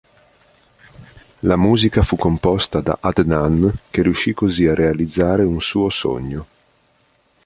La musica fu composta da Adnan che riuscì così a realizzare un suo sogno.